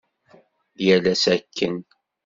Yal ass akken.